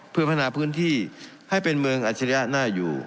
เพื่อพัฒนาพื้นที่ให้เป็นเมืองอัจฉริยะน่าอยู่